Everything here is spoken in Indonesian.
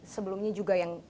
sebelumnya juga yang